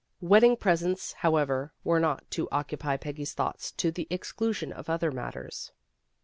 Wedding presents, however, were not to oc cupy Peggy's thoughts to the exclusion of other matters.